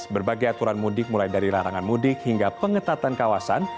berbagai aturan mudik mulai dari larangan mudik hingga pengetatan kawasan